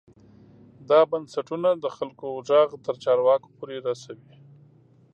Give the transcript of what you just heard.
دا بنسټونه د خلکو غږ تر چارواکو پورې رسوي.